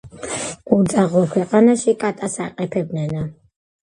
უძაღლო ქვეყანაში კატას აყეფებდნენო